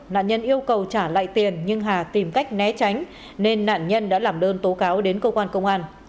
nạn nhân yêu cầu trả lại tiền nhưng hà tìm cách né tránh nên nạn nhân đã làm đơn tố cáo đến cơ quan công an